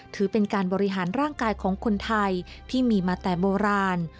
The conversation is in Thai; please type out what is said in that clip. ถือเป็นการบริหารร่างกายของคนไทยที่มีมาแต่โบราณ